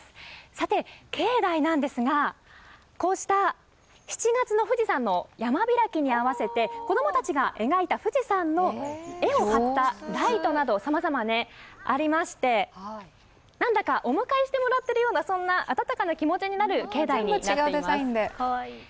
さて境内なんですが、こうした７月の富士山の山開きに合わせて、子供たちが描いた富士山の絵を張ったライトなど、さまざまありまして何だかお迎えしてもらってるような温かな気持ちになる境内になっています。